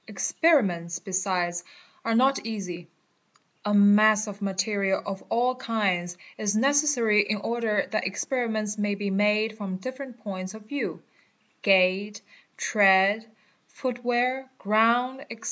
Experiments besides are not easy. A mass of material of all kinds is necessary in order that experiments may be made from different points of view (gait, tread, footwear, ground, &c).